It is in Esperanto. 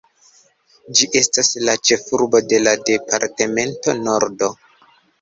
Ĝi estas la ĉefurbo de la Departemento Nordo.